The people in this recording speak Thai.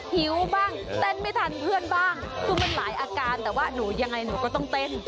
หิวบ้างเต้นไม่ทันเพื่อนบ้างคือมันหลายอาการแต่ว่าหนูยังไงหนูก็ต้องเต้น